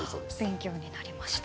勉強になりました。